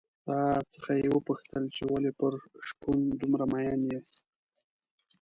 راڅخه یې وپوښتل چې ولې پر شپون دومره مين يې؟